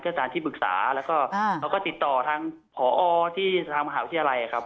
เป็นอาจารย์ที่บึกษาแล้วก็ติดต่อทางผอที่มหาวิทยาลัยครับ